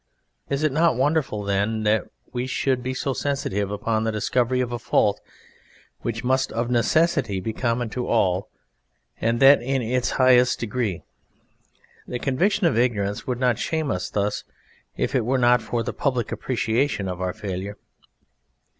Is it not wonderful, then, that we should be so sensitive upon the discovery of a fault which must of necessity be common to all, and that in its highest degree? The conviction of ignorance would not shame us thus if it were not for the public appreciation of our failure.